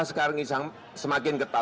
sekarang semakin ketat